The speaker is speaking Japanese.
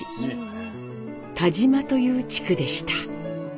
田島という地区でした。